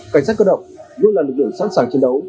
cảnh sát cơ động luôn là lực lượng sẵn sàng chiến đấu